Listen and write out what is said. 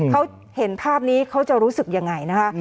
เขาเห็นภาพนี้เขาจะรู้สึกยังไงนะคะ